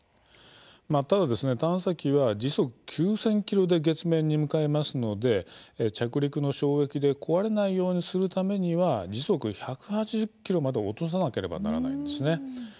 ただですね、探査機は時速９０００キロで月面に向かいますので着陸の衝撃で壊れないようにするためには時速１８０キロまで落とさなければならないんですね。